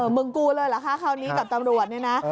มึงกูเลยเหรอคะคราวนี้กับตำรวจเนี่ยนะ